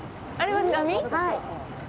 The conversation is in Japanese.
はい。